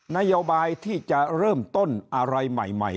นโยบายที่จะเริ่มต้นอะไรใหม่